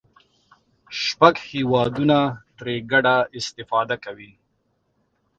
شپږ هېوادونه ترې ګډه استفاده کوي.